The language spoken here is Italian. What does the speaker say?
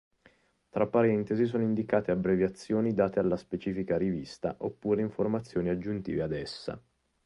Tra parentesi sono indicate abbreviazioni date alla specifica rivista, oppure informazioni aggiuntive ad essa.